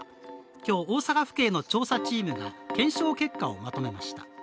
今日、大阪府警の調査チームが検証結果をまとめました。